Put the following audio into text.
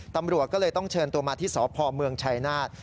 ตำรวจก็เลยต้องเชิญตัวมาที่สพเมืองชายนาฏ